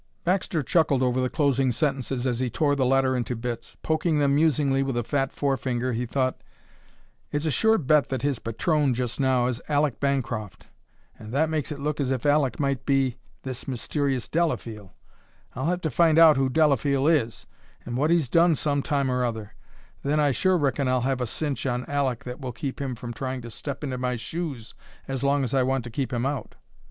Baxter chuckled over the closing sentences as he tore the letter into bits. Poking them musingly with a fat forefinger he thought: "It's a sure bet that his patron just now is Aleck Bancroft; and that makes it look as if Aleck might be this mysterious Delafeel I'll have to find out who Delafeel is and what he's done some time or other; then I sure reckon I'll have a cinch on Aleck that will keep him from trying to step into my shoes as long as I want him to keep out."